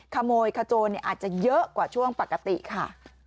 ขโมยขโจนอาจจะเยอะกว่าช่วงปกติค่ะ